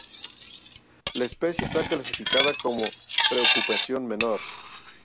La especie está clasificada como preocupación menor.